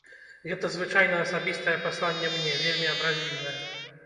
Гэта звычайна асабістае пасланне мне, вельмі абразлівае.